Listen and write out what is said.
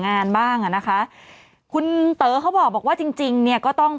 งานบ้างอ่ะนะคะคุณเต๋อเขาบอกว่าจริงจริงเนี่ยก็ต้อง